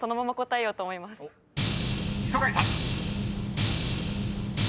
［磯貝さん］